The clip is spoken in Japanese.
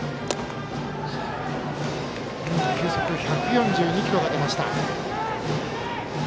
球速１４２キロが出ました。